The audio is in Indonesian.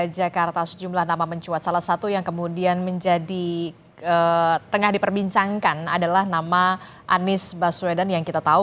jadi jangan dijawabin itu